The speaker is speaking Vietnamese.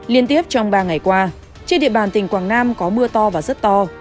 liên tiếp trong ba ngày qua trên địa bàn tỉnh quảng nam có mưa to và rất to